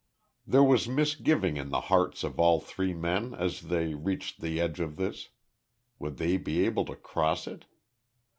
There was misgiving in the hearts of all three men as they reached the edge of this. Would they be able to cross it.